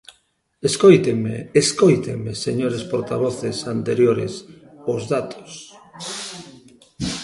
Escóitenme, escóitenme, señores portavoces anteriores, os datos.